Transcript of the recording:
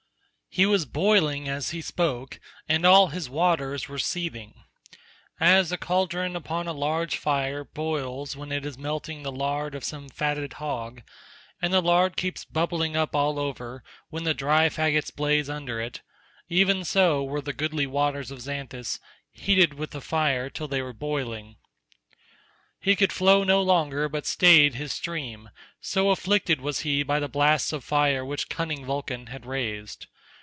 He was boiling as he spoke, and all his waters were seething. As a cauldron upon a large fire boils when it is melting the lard of some fatted hog, and the lard keeps bubbling up all over when the dry faggots blaze under it—even so were the goodly waters of Xanthus heated with the fire till they were boiling. He could flow no longer but stayed his stream, so afflicted was he by the blasts of fire which cunning Vulcan had raised.